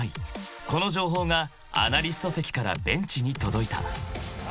［この情報がアナリスト席からベンチに届いた］